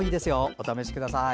お試しください。